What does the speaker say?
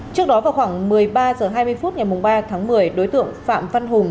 trước đó vào khoảng một mươi ba h hai mươi phút ngày ba tháng một mươi đối tượng phạm văn hùng